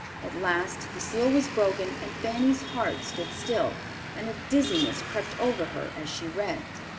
At last the seal was broken and Fanny's heart stood still, and a dizziness crept over her as she read.